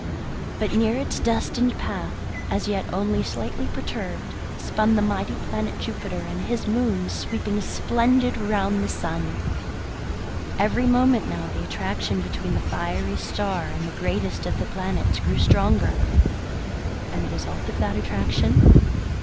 But near its destined path, as yet only slightly perturbed, spun the mighty planet Jupiter and his moons sweeping splendid round the sun. Every moment now the attraction between the fiery star and the greatest of the planets grew stronger. And the result of that attraction?